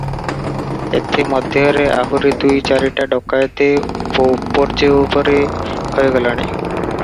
ଏଥି ମଧ୍ୟରେ ଆହୁରି ଦୁଇ ଚାରିଟା ଡକାଏତି ଉପୁର୍ଯ୍ୟୁପରି ହୋଇଗଲାଣି ।